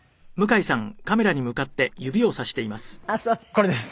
これです。